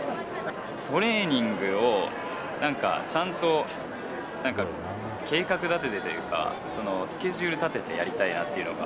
トレーニングをちゃんと計画立ててというかスケジュール立ててやりたいなっていうのが。